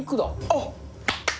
あっ！